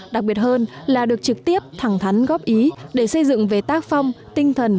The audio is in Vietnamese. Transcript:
đặc biệt hơn là được trực tiếp thẳng thắn góp ý để xây dựng về tác phong tinh thần